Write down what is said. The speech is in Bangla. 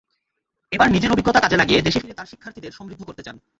এবার নিজের অভিজ্ঞতা কাজে লাগিয়ে দেশে ফিরে তাঁর শিক্ষার্থীদের সমৃদ্ধ করতে চান।